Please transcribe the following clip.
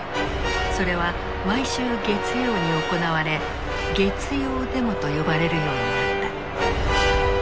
それは毎週月曜に行われ「月曜デモ」と呼ばれるようになった。